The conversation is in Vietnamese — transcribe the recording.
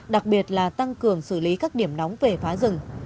đặc biệt là tăng cường xử lý các điểm nóng về phá rừng